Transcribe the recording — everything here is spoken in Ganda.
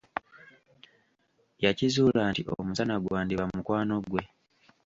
Yakizuula nti omusana gwandiba mukwano gwe.